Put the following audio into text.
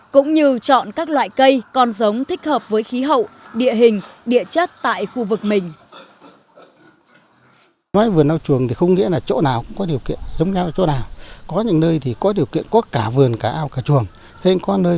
cũng như chọn các loại cây con giống thích hợp với khí hậu địa hình địa chất tại khu vực mình